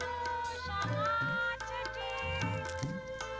hatiku sangat sedih